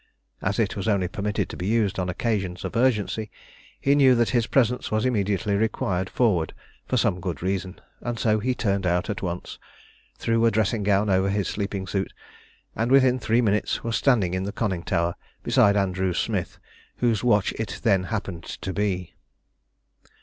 As it was only permitted to be used on occasions of urgency, he knew that his presence was immediately required forward for some good reason, and so he turned out at once, threw a dressing gown over his sleeping suit, and within three minutes was standing in the conning tower beside Andrew Smith, whose watch it then happened to be.